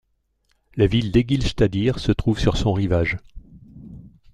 La ville d'Egilsstaðir se trouve sur son rivage.